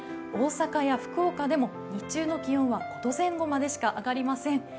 大阪や福岡でも日中の気温は５度前後までしか上がりません。